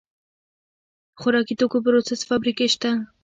د خوراکي توکو پروسس فابریکې شته